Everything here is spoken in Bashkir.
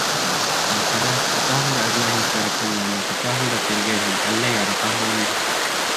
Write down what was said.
Мәйсәрә, тотаһың да әрләйһең Шәрифулланы, тотаһың да тиргәйһең, әллә яратаһың инде?